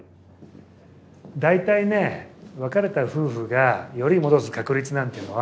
大体ね別れた夫婦が寄り戻す確率なんていうのは。